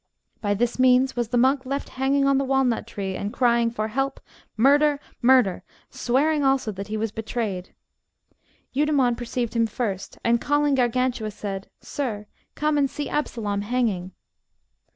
By this means was the monk left hanging on the walnut tree, and crying for help, murder, murder, swearing also that he was betrayed. Eudemon perceived him first, and calling Gargantua said, Sir, come and see Absalom hanging.